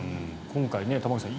今回、玉川さん